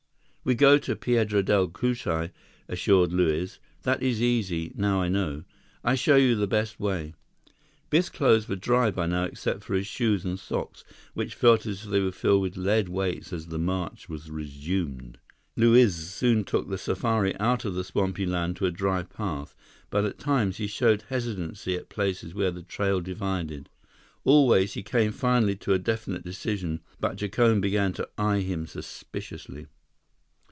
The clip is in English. "We go to Piedra Del Cucuy," assured Luiz. "That is easy, now I know. I show you the best way." Biff's clothes were dry by now except for his shoes and socks, which felt as if they were filled with lead weights as the march was resumed. Luiz soon took the safari out of the swampy land to a dry path, but at times, he showed hesitancy at places where the trail divided. Always, he came finally to a definite decision, but Jacome began to eye him suspiciously.